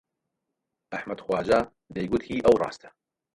ئەحمەد خواجا دەیگوت هی ئەو ڕاستە